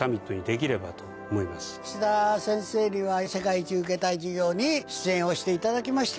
岸田先生には『世界一受けたい授業』に出演をしていただきまして。